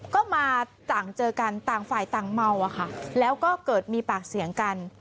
ก็มาเจอกันต่างฝ่ายต่างเมาแล้วก็เกิดมีปากเสี่ยงกัน